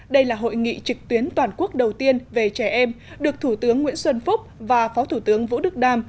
đây là hội nghị trực tuyến toàn quốc đầu tiên về trẻ em được thủ tướng nguyễn xuân phúc và phó thủ tướng vũ đức đam